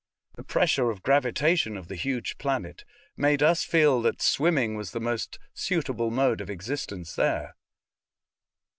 The pressure of gravitation of the huge planet made us feel that swimming was the most suitable mode of existence there.